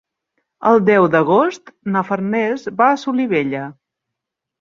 El deu d'agost na Farners va a Solivella.